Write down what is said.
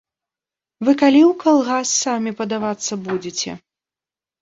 Вы калі ў калгас самі падавацца будзеце?